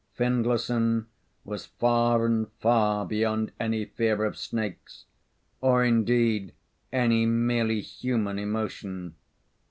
Findlayson was far and far beyond any fear of snakes, or indeed any merely human emotion.